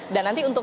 dan nanti untuk